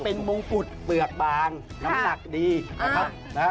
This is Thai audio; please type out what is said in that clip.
เป็นมงกุฎเปลือกบางน้ำหนักดีนะครับนะฮะ